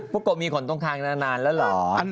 โกะมีขนตรงทางนานแล้วเหรอ